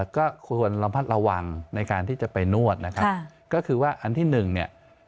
ก็ควรระมัดระวังในการที่จะไปนวดนะครับก็คือว่าอันที่หนึ่งเนี่ย